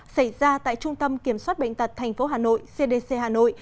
xảy ra tại trung tâm kiểm soát bệnh tật tp hcm cdc hà nội